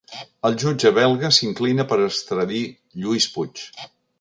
El jutge belga s'inclina per extradir Lluís Puig